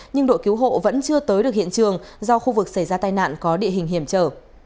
nhưng đội cứu hộ vẫn chưa tới được hiện trường do khu vực xảy ra tai nạn có địa hình hiểm trở